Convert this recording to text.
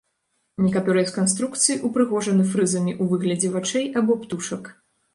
Некаторыя з канструкцый упрыгожаны фрызамі ў выглядзе вачэй або птушак.